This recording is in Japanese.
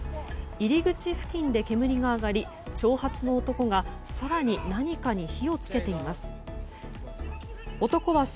入り口付近で煙が上がり長髪の男が更に何かに火を付けています。